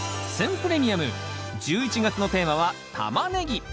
プレミアム１１月のテーマは「タマネギ」。